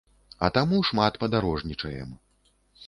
А таму шмат падарожнічаем.